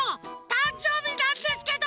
たんじょうびなんですけど！